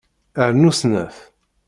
Rnu snat.